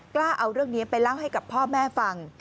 กล้าเอาเรื่องนี้ไปเล่าให้กับพ่อแม่ฟัง